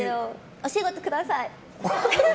お仕事ください！